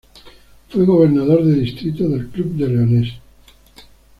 Fue Gobernador de Distrito del Club de Leones.